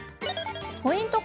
ポイント